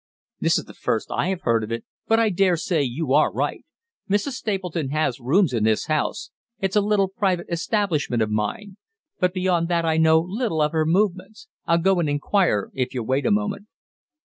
"This is the first I have heard of it, but I dare say you are right. Mrs. Stapleton has rooms in this house it's a little private establishment of mine but beyond that I know little of her movements. I'll go and inquire if you'll wait a moment."